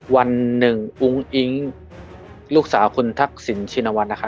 วันหนึ่งอุ้งอิ๊งลูกสาวคุณทักษิณชินวัฒนนะคะ